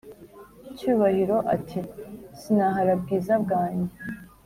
Cyubahiro ati"sinahara bwiza bwanjye